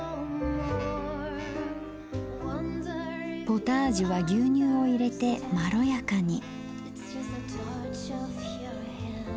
ポタージュは牛乳を入れてまろやかに。